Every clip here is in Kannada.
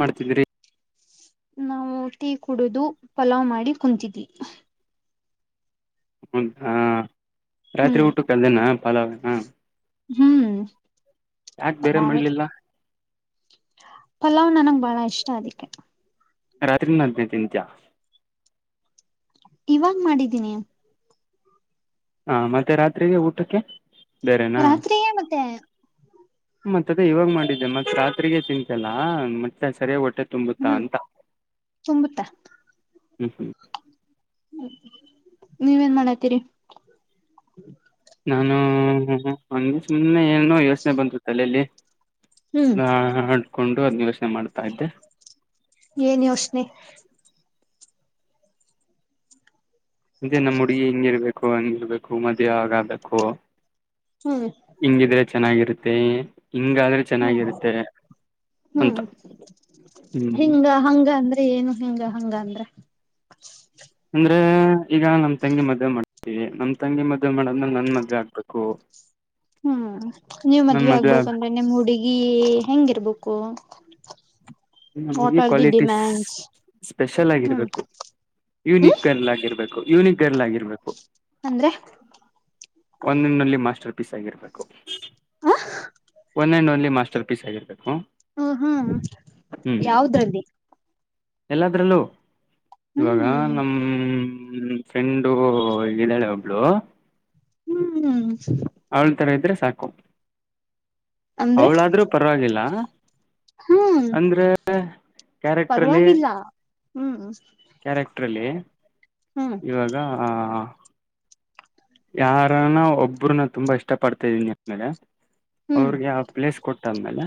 ಮಾಡ್ತಿದ್ರಿ ನಾವು ಟೀ ಕುಡಿದು ಪಲಾವ್ ಮಾಡಿ ಕುಂತಿದ್ವಿ. ಕುಂತಾ? ರಾತ್ರಿ ಹ್ಮ್ ಊಟುಕ್ಕದೇನಾ? ಪಲಾವೇನಾ? ಹ್ಮ್ ಬೇರೆ ಪಲಾವೆ ಮಾಡ್ಲಿಲ್ಲ ಪಲಾವ್ ನನಗ್ ಬಾಳ ಇಷ್ಟ ಅದಿಕ್ಕೆ. ರಾತ್ರಿನು ಅದ್ನೆ ತಿಂತ್ಯ. ಇವಾಗ್ ಮಾಡಿದ್ದೀನಿ. ಹಾ ಮತ್ತೆ ರಾತ್ರಿಗೆ ಊಟಕ್ಕೆ? ಬೇರೆನಾ ರಾತ್ರಿಗೇ ಮತ್ತೆ. ಮತ್ತದೇ ಇವಾಗ್ ಮಾಡಿದ್ದೆ ಮತ್ ರಾತ್ರಿಗೆ ತಿಂತ್ಯಲ್ಲ ಮತ್ತೆ ಸರಿಯಾಗ್ ಒಟ್ಟೆ. ಹ್ಮ್ ತುಂಬುತ್ತ ಹ್ಮ್ ಹ್ಮ್ ಹ್ಮ. ನೀವೇನ್ ಮಾಡತ್ತೀರಿ? ನಾನು ಹಂಗೆ ಸುಮ್ನೆ ಏನೆನೊ ಯೋಸ್ನೆ ಬಂತು ತಲೇಲಿ. ಹ್ಮ್ ನಾ ಅಂಡ್. ಕೊಂಡು ಅದ್ನೊಸ್ ಏನ್ ಯೋಚ್ನೆ? ಇದೆ ನಮ್ ಹುಡ್ಗಿ ಹಿಂಗಿರ್ಬೇಕ್ [unintelligible] ಹ್ಮ್ ಇಂಗಿದ್ರೆ ಚೆನ್ನಾಗಿರುತ್ತೆಯೇ ಹೂ ಹೂ ಅಂತ ಹ್ಮ್ ಹಿಂಗ ಹಂಗ ಅಂದ್ ಏನು ಹಿಂಗ ಹಂಗ ಅಂದ್ರ. ಅಂದ್ರೆ ಈಗ ನಮ್ ತಂಗಿ ಮದ್ವೆೆ ಮಾಡ್ತೀವಿ ನಮ್ ತಂಗಿ ಮದ್ವೆ ಮಾಡಾದ್ಮೇಲ್ ನನ್ ಮದ್ವೆ ಆಗ್ಬೇಕು. ಹ್ಮು ನೀವ್ ನನ್ ಮದ್ವಿವೆ ಮದ್ವೆ ಆಗ್ಬೇಕಂದ್ರೆ ನಿಮ್ಮ್ ಹುಡುಗಿ ಹೆಂಗಿರ್ಬೇಕು. [inaudible] ನಮ್ ವಾಟ್ ಹುಡುಗಿ are the qualities demands special ಹ್ಮ್ ಆಗಿರ್ಬೇಕು ಯುನಿಕ್ಕಲ್ ಆಗಿರ್ಬೇಕು. ಯೂನಿ ಗರ್ಲ್ ಆಗಿರ್ಬೇಕು. ಅಂದ್ರೆ ಒಂದನಲ್ಲಿ ಮಾಸ್ಟರ್ [unintelligible] ಆಗಿರ್ಬೇಕು. ಒಂದ್ ಆಂಡ್ ಓನ್ಲಿ ಮಾಸ್ ಚಲ್ ಪೀಸ್ ಆಗಿರ್ಬೇಕು. ಹ ಹ. ಯಾವದ್ರಲ್ಲಿ ಎಲ್ಲಾದ್ರಲ್ಲೂ ಇವಾಗ ಹ್ಮ್ ನಮ್ಮ ಹ್ಮು [unintelligible] ಅದು ಇದಾಳೆ ಒಬ್ಳು. ಹ್ಮು ಅವಳ ತರ ಇದ್ರೆ ಸಾಕು. ಅಂದ್ರೆ ಅವ್ಳಾದ್ರೆ ಪರವಾಗಿಲ್ಲ. ಹ್ಮ್ ಅಂದ್ರೆ ಕ್ಯಾರೆಕ್ಟರ್ ಅಲ್ಲಿ ಪರವಾಗಿಲ್ಲ ಹ್ಮ್ ಕ್ಯಾರೆಕ್ಟರ್ ಅಲ್ಲಿ. ಹ್ಮ್ ಇವಾಗ ಆ ಯಾರನ್ನಾ ಒಬ್ರನಾ ತುಂಬಾ ಇಷ್ಟ ಪಡ್ತಾ ಇದೀನಿ ಅಂದ್ ಮೇಲೆ ಹ್ಮ್ ಅವ್ರಗೆ ಆ ಪ್ಲೇಸ್ ಕೊಟ್ಟಾದ್ಮೇಲೆ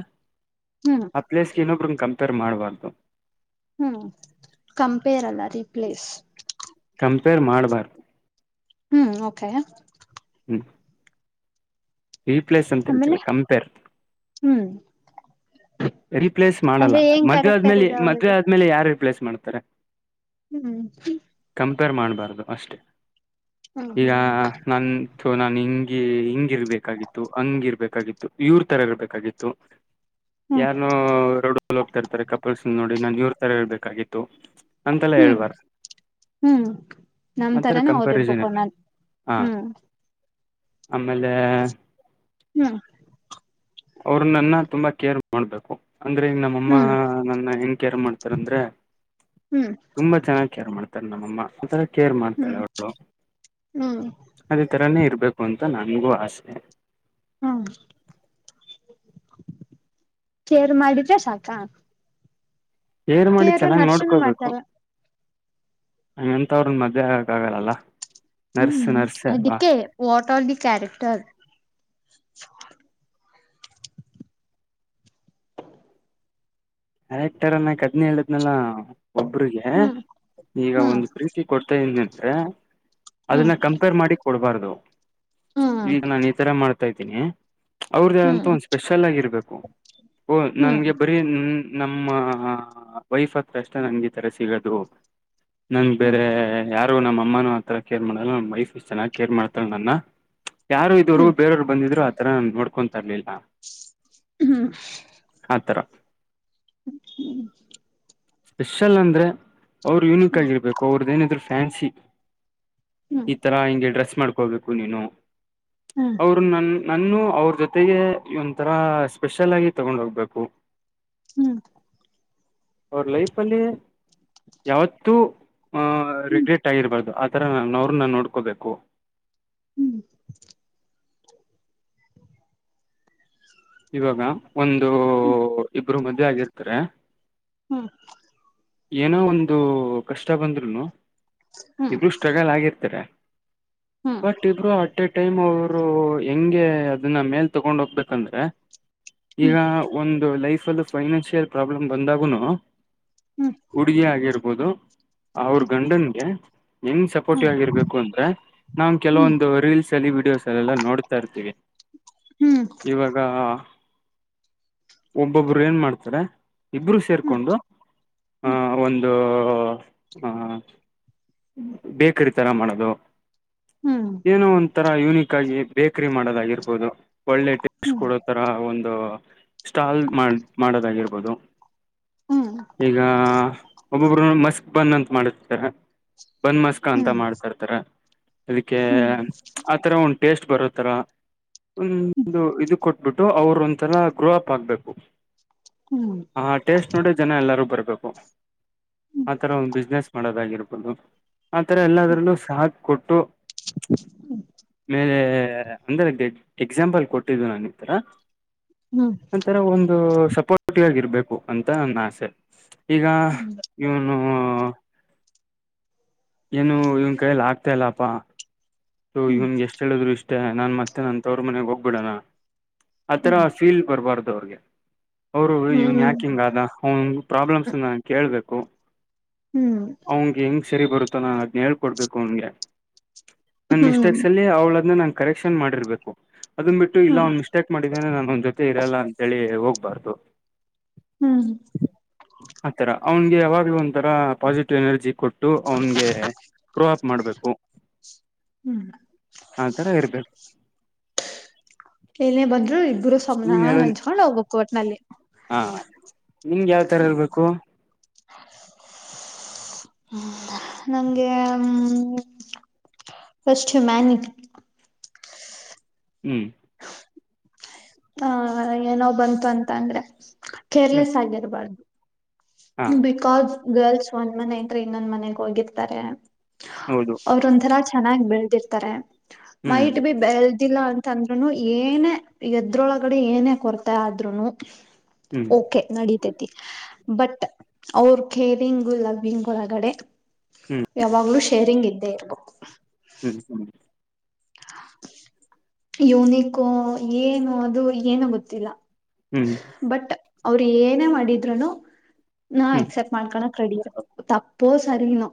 ಹ್ಮ್ ಆ ಪ್ಲೇಸಗ್ ಇನ್ನೊಬ್ರನ್ ಕಂಪೇರ್ ಮಾಡಬಾರ್ದು. ಹ್ಮು ಕಂಪೇರ್ ಅಲ್ಲ ರೀಪ್ಲೇಸ್. ಕಂಪೇರ್ ಮಾಡ್ಬಾರ್ದು. ಹ್ಮ್ ಓಕೆ ಹ್ಮ್ ರೀಪ್ಲೇಸ್ ಅಂತ ಆಮೇಲೆ ಹೇಳ್ತಿಲ್ಲ ಕಂಪೇರ್ ಹ್ಮ್ ರರಿಪ್ಲೇಸ್ ಮಾಡಲ್ಲ ಅಂದ್ರೆ ಏನ್ ಮದ್ವೆ ಕ್ಯಾರೆಕ್ಟರ್ ಆದ್ಮೇಲೆ ಇದೆ ಮದ್ವೆ ಅವಳಿಗೆ ಆದ್ಮೇಲೆ ಯಾರು ರಿಪ್ಲೇಸ್ ಮಾಡ್ತಾರೆ ಹ್ಮ್ ಕಂಪೇರ್ ಮಾಡಬಾರ್ದು ಅಷ್ಟೇ ಹ್ಮ್ ಈಗ ಹ್ಮ್ ನನ್ ನಾನ್ ಹಿಂಗಿ ಹಿಂಗಿರ್ಬೇಕಾಗಿತ್ತು ಹಂಗಿರ್ಬೇಕಾಗಿತ್ತು ಇವ್ರ ತರ ಇರ್ಬೇಕಾಗಿತ್ತು ಹ್ಮ್ ಯಾರೋ ರೋಡಲ್ಲಿ ಹೋಗ್ತಾರ್ತಾರೆ ಕಪಲ್ಸ್ ನೋಡಿ ನನ್ ಇವರ್ ತರ ಇರ್ಬೇಕಾಗಿತ್ತು ಅಂತೆಲ್ಲ ಹ್ಮ್ ಹೇಳ್ಬಾರ್ದು ಹ್ಮ್ ನಮ್ ಆತರ ತರಾನ ಅವ್ ಇರ್ಬೇಕು ಕಂಪ್ಯಾರಿಸನ್ ಅನ್ನ ಹಾ ಹ್ಮ್ ಆಮೇಲೆ ಹ್ಮ್ ಅವ್ರನ್ನನ್ನ ತುಂಬಾ ಕೇರ್ ಮಾಡ್ಬೇಕು ಅಂದ್ರೆ ನಮ್ಮಅಮ್ಮ ಹ್ಮ್ ನನ್ನ ಹೆ ಕೇರ ರ್ಮಾಡ್ತಾರಂದ್ರೆ ಹ್ಮ್ ತುಂಬಾ ಚೆನ್ನಾಗಿ ಕೇರ್ ಮಾ ನಮ್ಮ ಅಮ್ಮ ಕೇರ್ ಮಾಡ್ತಾಳೆ ಹ್ಮ್ ಅವಳು ಹ್ಮ್ ಅದೇ ತರಾನೇ ಇರ್ಬೇಕು ಅಂತ ನನಿಗೂ ಆಸೆ ಹಾ ಕೇರ್ ಮಾಡಿದ್ರೆ ಸಾಕಾ ಕೇರ್ ರ್ಮಾಡಿ ಕೇರು ಚೆನ್ನಾಗ್ ನರ್ಸನು ನೋಡ್ಕೋಬೇಕು ಮಾಡ್ತಾರೆ ಹಂಗ ಅಂತ ಅವ್ರನ ಮದ್ವೆ ಆಗಕ್ ಆಗಲ್ಲಲ್ಲ ನರ್ಸ್ ಹ್ಮ್ ನರ್ಸೇ ಅಲ್ವಾ ಅದಕ್ಕೆ what all the character [inaudible] actor ಅಣ್ಣಾಕ್ ಅದ್ನೇ ಹೇಳಿದ್ನಲ್ಲ ಒಬ್ಬರಿಗೆ ಹ್ಮ್ ಈಗ ಹ್ಮ್ ಒಂದು ಪ್ರೀತಿ ಕೊಡ್ತಾ ಇದನಿ ಅಂದ್ರೆ ಹ್ಮ್ ಅದನ್ನ ಕಂಪೇರ್ ಮಾಡಿ ಕೊಡ್ಬಾರ್ದು ಹ್ಮ್ ಈಗ ನಾನು ಈ ತರ ಮಾಡ್ತಾ ಇದ ತನಿ ಅವ್ರದ್ದಂತ ಹ್ಮ್ ಒಂದು ಸ್ಪೆಷಲ್ ಆಗಿ ಇರ್ಬೇಕು ಓ ಹ್ಮ್ ನನ್ಗೆ ಬರೀ ನಮ್ಮ ವೈಫ್ ಹತ್ರ ಅಷ್ಟೇ ನನಗೆ ಈ ತರ ಸಿಗೋದು ನಂಗ ಹ್ಮ್ ಬೇರೆ ಯಾರು ನಮ್ಮ ಅಮ್ಮನ ಆತರ ಕೇರ್ ಮಾಡಲ್ಲ ನನ್ನ ವೈಫ್ ಇಷ್ಟು ಚೆನ್ನಾಗಿ ಕೇರ್ ಮಾಡ್ತಳ ನನ್ನ ಯಾರು ಇದ್ದೋರು ಹ್ಮ್ ಬೇರವ್ರು ಬಂದಿದರು ತರ ನನ್ನ ನನ್ನೋಡ್ಕೊಂತರ್ಲಿಲ್ಲ ಹಾ ಹ್ಮ್ ಹ್ಮ್ ಆ ತರ [inaudible] ಸ್ಪೆಷಲ್ ಅಂದ್ರೆ ಅವರು ಯುನಕ್ಗಿರ್ಬೇಕು ಅವದ ಏನಿದ್ರು ಫ್ಯಾನ್ಸಿ ಹ್ಮ್ ಈ ತರಾ ಹಿಂಗೆ ಡ್ರೆಸ್ ಮಾಡ್ಕೋಬೇಕು ನೀನು ಹ್ಮ್ ಅವರು ನ ನನ್ನ ಅವ್ರ ಜೊತೆಗೆ ಒಂಥರ ಸ್ಪೆಷಲ್ ಆಗಿ ತೊಗೊಂಡು ಹೋಗ್ಬೇಕು ಹ್ಮ್ ಅವ್ರ ಲೈಫಲ್ಲಿ ಯಾವತ್ತೂ ಹ ರಿಗ್ರೆಟ್ ಆಗಿರಬಾರ್ದು ಆ ಥರ ನನ್ನವರನ್ನ ನೋಡ್ಕೋಬೇಕು ಹ್ಮ್ ಇವಾಗ ಒಂದು ಹ್ಮ್ ಇಬ್ರು ಮದ್ವೆ ಆಗಿರ್ತಾರೆ ಹ್ಮ್ ಏನೋ ಒಂದು ಕಷ್ಟ ಬಂದ್ರುನು ಹ್ಮ್ ಇಬ್ರು ಸ್ಟ್ರಗಲ್ ಆಗಿರ್ತರೆ ಹ್ಮ್ ಬಟ್ ಇಬ್ರು ಆಟಟ್ ಟೈಮ್ ಅವ ರು ಹೆಂಗೆ ಅದನ್ನ ಮೇಲ್ ತಗೊಂಡ್ ಹೋಗ್ಬೇಕಂದ್ರೆ ಈಗ ಹ್ಮ್ ಒಂದ್ ಲೈಫಲ್ಲಿ ಫೈನಾನ್ಷಿಯಲ್ ಪ್ರಾಬ್ಲಮ್ ಬಂದಾಗುನು ಹ್ಮ್ ಹುಡುಗಿ ಆಗಿರ್ಬೋದು ಅವ್ರ ಗಂಡನ್ಗೆ ಹೆಂಗ್ ಹ್ಮ್ ಸಪೋರ್ಟಿವ್ ಆಗಿರ್ಬೇಕು ಅಂದ್ರೆ ನಾವು ಹ್ಮ್ ಹ್ಮ್ ಹ್ಮ್ ಕೆಲವೊಂದು ರೀಲ್ಸ್ ಅಲ್ಲಿ ವೀಡಿಯೋಸ್ ಅಲ್ಲೆಲ್ಲ ನೋಡ್ತಾರ್ತೀವಿ ಹ್ಮ್ ಇವಾಗ ಒಬ್ಬೊಬ್ರು ಏನ್ ಮಾಡ್ತಾರೆ ಇಬ್ಬರು ಹ್ಮ್ ಸೇರ್ಕೊಂಡು ಹ ಹ್ಮ್ ಒಂದು ಬೇಕರಿ ತರ ಮಾಡೋದು ಹ್ಮ್ ಹ್ಮ್ ಏನು ಅಂತ ತರ ಯುನಿಕ್ ಆಗಿ ಬೇಕ್ರಿ ಮಾಡೋದಾಗಿರ್ಬೋದು ಒಳ್ಳೆ ಟೇಸ್ಟ್ ಹ್ಮ್ ಕೊಡೋ ತರ ಒಂದು ಸ್ಟಾಲ್ ಮಾಡ ಮಾಡೋದಾಗಿರ್ಬೋದು ಹ್ಮ್ ಹ್ಮ್ ಹ್ಮ್ ಈಗ್ ಹಾ ಒಬ್ಬೊಬ್ರುನು ಮಸ್ಕ್ ಬಂದಂತೆ ಮಾಡರ್ತಾರೆ. ಬನ್ ಮಸ್ಕ್ ಅಂತ ಹ್ಮ್ ಮಾಡ್ತಿರ್ತಾರೆ. ಅದಿಕ್ಕೆ ಹ್ಮ್ ಆತರ ಒಂದ ಟೇಸ್ಟ್ ಬರೋತರ ಒಂದು ಇದು ಕೊಟ್ಬಿಟ್ಟು ಅವರು ಒಂಥರ ಗ್ರೋ ಅಪ್ ಆಗ್ಬೇಕು. ಹ್ಮ್ ಹ್ಮ್ ಹಾ ಟೇಸ್ಟ್ ನೋಡೆ ಜನ ಎಲ್ಲಾರೂ ಬರ್ಬೇ ರ್ಬೇಕು ಹ್ಮ್ ಆತರ ಒಂದ್ ಬಿಸ್ನೆಸ್ ಮಾಡೋದಾಗಿರ್ಬೋದು ಆತರ ಎಲ್ಲದ್ರಲ್ಲೂ ಸಾಹತ್ ಕೊಟ್ಟು ಮೇಲೆ ಎ ಅಂದ್ರೆ ಎಕ್ಸಾಂಪಲ್ ಕೊಟ್ಟಿದ್ದು ನಾನ ಈ ತರಾ. ಒಂತರ ಒಂದು ಸಪೋರ್ಟಿವ್ ಆಗಿರ್ಬೇ ಕು ಅಂತ ನನ್ನ ಆಸೆ. ಈಗಾ ಇವನು ಹಾ ಏನೋ ಇವನ್ ಕೈಯಲ್ಲಿ ಆಗ್ತಾ ಇಲ್ಲಪ್ಪಾ. ತು ಇವನ್ ಎಷ್ಟ್ ಹೇಳಿದ್ರು ಇಷ್ ತ್ತೆ ನಾನ್ ಮತ್ತೆ ನನ್ನ ಹಂತವ್ರ್ ಮನೆಗ್ ಹೋಗ್ಬೇಡಾ ಅಣ್ಣಾ. ಆತರ ಫೀಲ್ ಬರ್ಬಾರ್ದು ಅವ್ರಗೆ. ಅವರು ಇವ್ನ್ ಯಾಕ್ ಹಿಂಗ ಆದಾ ಅವನ್ ಪ್ರಾಬ್ಲಮ್ಸನ ಕೇಳ್ಬೇಕ್ ಹ್ಮು ಹೆಂಗ್ ಸರಿ ಬರುತ್ತಾ ಅಣ್ಣಾ ಅದ್ನ್ ಹೇಳ್ಕೊಡ್ಬೇಕು ಅವನ್ಗೆ. ನನ್ ಹ್ಮ್ ಹ್ಮ್ ಮಿಸ್ಟೇಕ್ಸ್ ಅಲ್ಲಿ ಅವ್ಳದ್ನೇನ್ ಹ ಕರೆಕ್ಷನ್ ಮಾಡಿರ್ಬೇಕು. ಅದನ್ ಬಿಟ್ಟು ಇಲ್ಲ ಅವ್ನ್ ಮಿಸ್ಟೇಕ್ ಮಾಡಿದ್ದಾನೆ ನಾನ ಅವ್ನ್ ಜೊತೆ ಇರಲ್ಲ ಅಂತೇಳಿ ಹೋಗ್ ಬಾರ್ದು ಹ್ಮು ಅವ್ನಗೆ ಯಾವಾಗ್ಲು ಒಂಥರ ಪಾಸಿಟಿವ್ ಎನರ್ಜಿ ಕೊಟ್ ಟ್ಟು ಅವನ್ಗೆ ಕ್ರೋ ಅಪ್ ಮಾಡಬೇಕು ಹ್ಮ್ ಆಥರ ಇರ್ಬೆಕ್ ಏನೇ ಬಂದ್ರು ಇರ್ ನೀನ್ ಹೇಳ ಹಾ ನಿಮ್ಗೆ ಯಾವ್ತರ ಇರ್ಬೇಕು ಹ ನಂಗೆ ಮ್ಮ್ ಫಸ್ಟ್ ಹ್ಯೂಮ್ಯಾನಿಟಿ ಹ್ಮ್ ಹಾ ಏನಾವ್ ಬಂತು ಅಂತ ಅಂದ್ರೆ ಹ್ಮ್ ಕೇರ್ಲೆಸ್ ಆಗಿರ್ಬಾರ್ದು ಹಾ ಬಿಕಾಸ್ ಗರ್ಲ್ಸ್ ಒಂದ್ ಮನೆ ಇದ್ರೆ ಇನ್ನೊಂದ್ ಮನೆಗ್ ಹೋಗಿರ್ತಾರೆ ಹೌದು ಅವ್ರ್ ಒಂಥರಾ ಚ್ ಚೆನ್ನಾಗಿ ಬೆಳ್ದಿರ್ತಾರೆ ಹ್ಮ್ ಮೈಟ್ ಬಿ ಬೆಲ್ ತಿಲ್ಲ ಅಂತಂದ್ರುನು ಏನೇ ಎದ್ರೊಳಗಡೆ ಏನೇ ಕೊರತೆ ಆದ್ರುನು ಹ್ಮ್ ಓಕೆ ನಡಿತೈತಿ ಬಟ್ ಅವ್ರ ಖೇರಿಂಗು ಲವ್ವಿಗ್ ಒಳಗಡೆ ಹ್ಮ್ ಯಾವಾಗ್ಲೂ ಶೇರಿಂಗ್ ಇದ್ ರ್ಬೇಕು ಹ್ಮ್ ಹ್ಮ್ ಯೂನಿಕೋ ಏನು ಅದು ಏನ ಗೊತ್ತಿಲ್ಲ ಹ್ಮ್ ಅವರು ಏನೇ ಮಾಡಿದ್ರುನು ನಾ ಹ್ಮ್ ಎಕ್ಸೆಪ್ಟ್ ಮಾಡ್ಕೋಣ ರೆಡಿ ಇರ್ಬೇಕು ತಪ್ಪೋ ಸರಿನೋ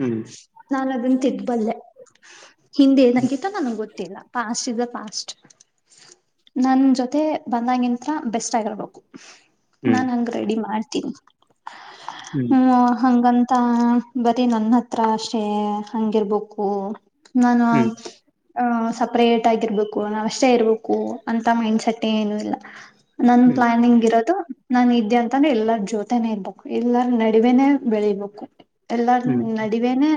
ಹ್ಮ್ ನಾನು ಅದನ್ನು ತಿದ್ದಬಲ್ಲೆ ಹಿಂದೆ ನಂಗೆ ನನ್ಗೆ ಗೊತ್ತಿಲ್ಲ ಪಾಸ್ ಇ ಪಾಸ್ ನನ್ ಜೊತೆ ಬಂದಂಗಂತರ ಬೆಸ್ಟ್ ಆಗಿರ್ಬೇಕು ಹ್ಮ್ ನಾನ್ ಹಂಗ ರೆಡಿ ಮಾಡ್ [unintelligible] ಹ್ಮ್ ಹ್ಮ ಹಂಗಂತ್ ತ್ತಾ ಬರೀ ನನ್ನ ಹತ್ರ ಅಷ್ಟೆ ಹಂಗಿರ್ಬೇಕು ನಾನು ಹ್ಮ್ ಆ ಸಪರೇಟ್ ಆಗಿರ್ಬೇಕು ನಾವ ಅಷ್ಟೇ ಇರ್ಬೇಕು ಅಂತ ಮೈಂಡ್ಸೆಟ್ ಏನು ಇಲ್ಲ ನನ್ ಪ್ಲಾನಿಂಗ್ ಇರೋದು ನಾನ್ ಇದ್ದೆ ಅಂತಂದ್ರೆ ಎಲ್ಲಾರ ಜೋತೆನೇ ಇರ್ಬೇಕು ಎಲ್ಲರ ನಡುವೇನೆ ಬೆಳಿಬೇಕು ಎಲ್ಲಾರ್ ಹ್ಮ್ ನಡಿವೇನೆ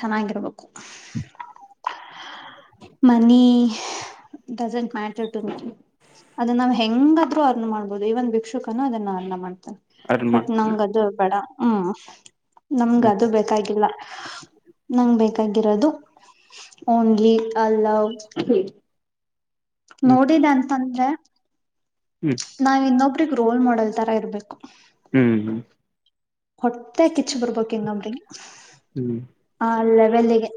ಚೆನ್ನಾಗಿರ್ಬೇಕು [inaudible] ಮನಿ ಡಸಂಟ್ ಮ್ಯಾಟರ್ ಟ ಮೀ ಅದನ್ನ ನಾವು ಹೆಂಗಾದ್ ಅರ್ನ್ ಮಾಡ್ಬೋದು ಅದನ್ನ್ ಭಿಕ್ಷುಕನು ಅದನ್ನ ಅರ್ನ್ ಮಾಡ್ ಅರ್ಮ ಬಟ್ ನಂಗ ಅದು ಬೇಡ ಹ್ಮ ನಮಗ ಹ್ಮ್ ಅದು ಬೇಕಾಗಿಲ್ಲ ನಂಗೆ ಬೇಕಾಗಿರೋದು ಓನ್ಲಿ [unintelligible] ಹ್ಮ್ ನೋಡಿದೆ ಅಂತಂದ್ರೆ ಹ್ಮ್ ನಾವ ಇನ್ನೊಬ್ಬ ರೋಲ್ ಮಾಡೆಲ್ ತರ ಇರಬೇಕು ಹ್ಮ್ ಹ್ಮ್ ಹೊಟ್ಟೆ ಕಿಚ್ಚಿ ಬರ್ಬೋಕ್ ಇನೋಬ್ಬರಿಗೆ ಹ್ಮ್ ಲೆವೆಲ್ಗೆ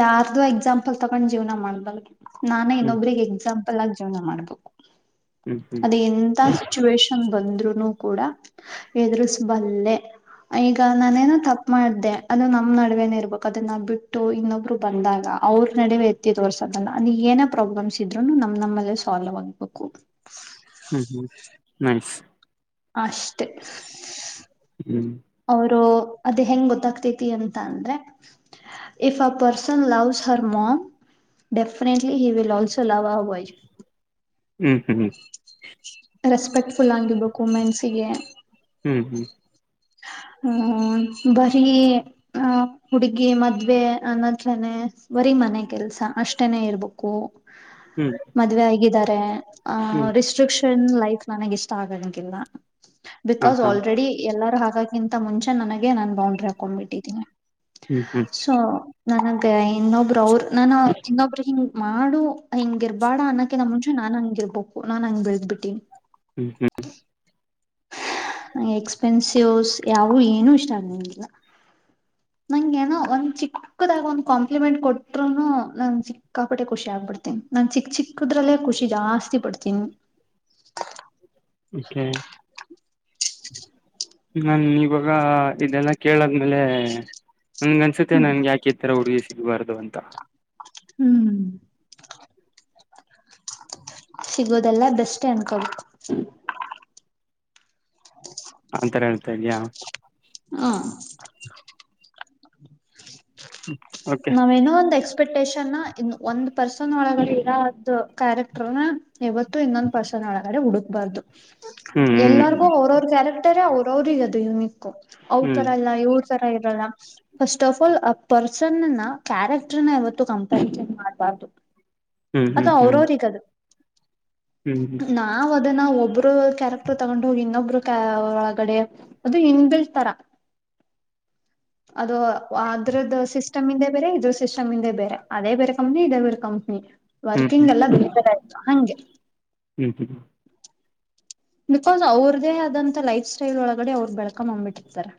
ಯಾರ್ದು ಎಕ್ಸಾಂಪಲ್ ತಗೊಂಡ್ ಜೀವನ ಮಾಡಬಲ್ಗೆ ನಾನ ಇನ್ನೊಬ್ರಿಗೆ ಎಕ್ಸಾಮ್ ಲ್ಲ ಜೀವನ ಮಾಡಬೇಕು ಹ್ಮ್ ಹ್ಮ್ ಅದ ಎಂತ ಸಿಚುವೇಷನ್ ಬಂದ್ರುನು ಕೂಡ ಎದ್ರಸ್ಬಲ್ಲೆ ಈಗ ನಾನೇನ ತಪ್ಪ ಮಾಡ್ದೆ ಅದು ನಮ್ ನಡುವೇನ ಇರ್ಬೇಕು ಅದನ್ನ ಬಿಟ್ಟು ಇನ್ನೊಬ್ರು ಬಂದಾಗ ಅವ್ರ ನಡುವೇ ಎತ್ತಿ ತೋರ್ಸೋ ಬನ್ನ ಅದು ಏನೇ ಪ್ರಾಬ್ಲಮ್ಸ್ ಇದ್ರುನು ನಮ್ ನಮ್ಮಲ್ಲ ಸಾಲ್ವ್ ಆಗ್ಬೇಕು ಕು ಹ್ಮ್ ಹ್ಮ್ ನೈಸ್ ಅಷ್ಟೇ ಹ್ಮ್ ಅವರು ಅದು ಹೆಂಗ ಗೊತ್ತಾಗ್ತೈತಿ ಅಂತ ಅಂದ್ರೆ if a person loves her mom definitely he will also love ಅವ ವೈಫ್ ಹ್ಮ್ ಹ್ಮ್ ಹ್ಮ್ ರೆಸ್ಪೆಕ್ಟ್ ಫುಲ್ ಆಗಿರ್ಬೇಕು ವುಮೆನ್ಸ್ ಗೆ ಹ್ಮ್ ಹ್ಮ್ ಹ್ಮ ಬರೀ ಆ ಹುಡುಗಿ ಮದ್ವೆ ಅನತ್ರನೆ ಬರೀ ಮನೆ ಕೆಲ್ಸ ಅಷ್ಟೇನೆ ಇರ್ಬೇಕು ಹ್ಮ್ ಮದ್ವೆ ಆಗಿದ್ದಾರೆ ಮತ್ತ ಹಾ ಹ್ಮ್ ರೆಸ್ಟ್ರಿಕ್ಯುಷನ್ ನ್ ಲೈಫ್ ನನಗ್ ಇಷ್ಟ ಆಗಂಗಿಲ್ಲ ಹಾ ಬಿಕಾಸ್ ಹಾ ಆಲ್ರೆಡಿ ಎಲ್ಲ ಹಾಗಕ್ಕಿಂತ ಮುಂಚೆ ನನಗೆ ನಾನು ಬೌಂಡ್ರಿ ಹಾಕೊಂಡ್ಬಿಟ್ಟಿದ್ದೀನಿ ಹ್ಮ್ ಹ್ಮ್ ಸೊ ನನಗ್ ಇನ್ನೊಬ್ರು ಅವರು ನಾನ ಇನ್ನೊಬ್ರು ಹಿಂಗ್ ಮಾಡು ಹಿಂಗಗೆ ಇರ್ಬೇಡ ಅನ್ನಕ ನ ಮುಂಚೆ ನಾನ್ ಹಂಗ ಇರ್ಬಬೇಕು ನಾನ್ ಹಂಗ್ ಬೆಳ್ದ್ಬಿಟ್ಟೀನಿ ಹ್ಮ್ ಹ್ಮ್ ನ ಎಕ್ಸ್ಪೆನ್ಸಿವ್ಸ್ ಯಾವು ಏನೂ ಇಷ್ಟ ಅ ನಂಗೆಲ್ಲ ನಂಗ ಏನೋ ಒಂದ್ ಚಿಕ್ಕದಾಗ ಒಂದ್ ಕಾಂಪ್ಲಿಮೆಂಟ್ ಕೊಟರುೂ ನಾ ಚಿಕ್ಕಾಪಟ್ಟೆ ಖುಷಿ ಆಗ್ಬಿಡ್ತೀನಿ ನಾ ಚಿಕ್ಕ ಚಿಕ್ಕದ್ರಲ್ಲೇ ಖುಷಿ ಜಾಸ್ತಿ ಪಡ್ತೀನಿ ಓಕೆ ನನ್ ಇವಾಗ ಇದೆಲ್ಲ ಕೇಳಾದ್ಮೇಲೆ ನನಗ್ ಅನ್ಸುತ್ತೆ ಹ್ಮ್. ನನ್ಗೆಕಿತರ ಹುಡ್ಗಿ ಸಿಗಬಾರದು ಅಂತ ಹ್ಮ್ ಸಿಗೋದೆಲ್ಲ ಬೆಸ್ಟೆ ಅನ್ಕೋಳಿ ಆದ್ರೆ [unintelligible] ಹಾ ಓಕೆ ನಾವೇನೋ ಒಂದ ಎಕ್ಸ್ ಎಕ್ಸ್ಪೆಕ್ಟೇಷನ್ ಇನ್ನು ಒಂದ್ ಪರ್ಸನ್ ಒಳಗಡೆ ಇರದು ಕ್ಯಾರೆಕ್ಟರ್ ನ ಇವತ್ತು ಇನ್ನೊಂದ್ ಪರ್ಸನ್ ಒಳಗಡೆ ಹುಡುಕ್ಬಾರ್ದು ಹ್ಮ್ ಎಲ್ರಗೂ ಅವ ಕ್ಯರೆಕ್ಟ ಅವ್ರ ಅವ್ರಿಗೆಗದು ಅವರ್ ಹ್ಮ್ ತರಇಲ ಇವರ್ ರ ಇರಲ್ಲ ಫಸ್ಟ್ ಆಫ್ ಆಲ್ ಪರ್ಸನ್ ನ ಕ್ಯಾರೆಕ್ಟರ್ ನ ಇವತ್ತು ಕಂಪಾರಜನ್ ಮಾಡ್ಬಾರ್ದ ಹ್ಮ್ ಅದು ಹ್ಮ್ ಅವರವರಿಗೆ ಅದು ಹ್ಮ್ ಹ್ಮ್ ನ್ನ ಒಬ್ಬರು ಕ್ಯಾರೆಕ್ಟರ್ ತಗೊಂಡುಗಿ ಇನ್ನೊಬ್ರು ಒಳಗಡೆ ಅದು ಇನ್ ಬಿಳ್ ತರ ಅದು [inaudible] ಇದು ಸಿಸ್ಟಮ್ ಇಂದೇ ಬೇರೆ ಇದು ಸಿಸ್ಟಮ್ ಇಂದ ಬೇರೆ ಅದೇ ಬೇರೆ ಕಂಪ್ನಿ ಇದೇ ಬೇರೆ ಕಂಪ್ನಿ ಹ್ಮ್ ವರ್ಕಿಂಗ್ ಎಲ್ಲ ಬಿಡ್ತಾರೈ ಹಂಗೆ ಹ್ಮ್ ಹ್ಮ ಬಿಕಾಸ್ ಅವ್ರ್ದೇ ಆದಂತ ಲೈಫ್ ಸ್ಟೈಲ್ ಒಳಗಡೆ ಅವ್ರ್ ಬೆಳ್ಕಂಬೊಬ್ಬಿಟ್ಟಿರ್ತಾರೆ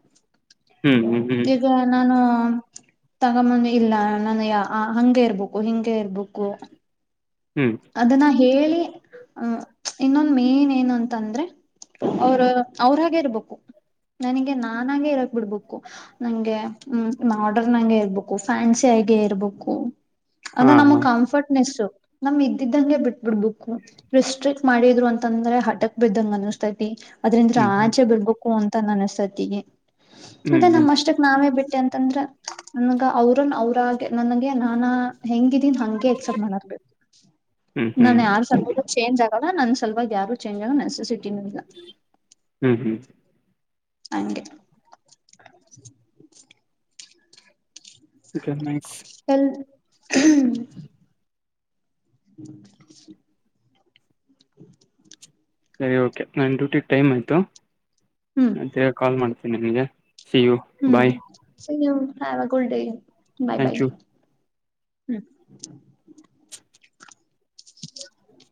ಹ್ಮ್ ಹ್ಮ್ ಹ್ಮ್ ಈಗ ನಾನು ತಗಂಬಂದು ಇಲ್ಲ ನನಗೆ ಆ ಹಂಗೆ ಇರ್ಬೇಕು ಹಿಂಗೆ ಇರ್ಬೇಕು ಹ್ಮ್ ಅದನ್ನ ಹೇಳಿ ಇನ್ನೊಂದ್ ಮೇನ್ ಏನು ಅಂತ ಅಂದ್ರೆ ಅವರು ಅವ್ರಾಗೆ ಇರ್ಬೇಕು ನನಗೆ ನಾನಾಗೆ ಇರಕ್ ಬಿಡ್ಬೇಕು ನಂಗೆ ಮಾಡ್ರನ್ನಂಗೆ ಇರ್ಬೇಕು ಫ್ಯಾನ್ಸಿ ಆಗೇ ಇರ್ಬೇಕು ಹಾ ಅದು ನಮ್ಮ ಹಾ ಕಂಫರ್ಟ್ನೆಸ್ ನಮ್ ಇದ್ದಿದ್ದಂಗೆ ಬಿಟ್ಬಿಡ್ಬುಕ್ಕು ರಿಸ್ಟ್ರಿಕ್ಟ್ ಮಾಡಿದ್ರು ಅಂತಂದ್ರೆ ಹಟಕ್ ಬಿದ್ದಂಗ ಅನ್ಸ್ತೈತಿ ಅದ್ರಿಂದ್ರ ಹ್ಮ್ ಆಚೆ ಬಿಡ್ಬೇಕ್ ಕೂ ಅಂತ ನನಸ್ಸತ್ತಿಗೆ ಮತ್ತೆ ಹ್ಮ್ ಹ್ಮ್ ನಮ್ಮ್ ಅಷ್ಟಕ್ ನಾವೇ ಬಿಟ್ಟೆ ಅಂತಂದ್ರ ನನ್ಗ ಅವ್ರನ್ ಅವ್ರಾಗೆ ನನಗೆ ನಾನ ಹೆಂಗಿದೀನ್ ಹಂಗೆ ಎಕ್ಸೆಪ್ಟ್ ಮಾಡಾದ್ಬೇಕು ಹ್ಮ್ ಹ್ಮ್ ನಾನ್ ಹ್ಮ್ ಯಾರ್ ಸಂಗಿಲು ಚೇಂಜ್ ಆಗಲ್ಲ ನನ್ ಸಲವಾಗಿ ಯಾರು ಚೇಂಜ್ ಆಗ ನೆಸಸಿಟಿನೂ ಇಲ್ಲ ಹ್ಮ್ ಹಂಗೆ ನೈಸ್ [inaudible] [inaudible] ಸರಿ ಓಕೆ ನನ್ ಡ್ಯೂಟಿಗ್ ಟೈಮ್ ಆಯಿತು ಹ್ಮ್ ಹ್ಮ್ ಮತ್ತೇ ಕಾಲ್ ಮಾಡ್ತೀನಿ ನಿಮಗೆ see you bye see you have a good day bye thank bye you hmm [inaudible]